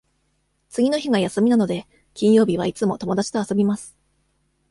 次の日が休みなので、金曜日はいつも友達と遊びます。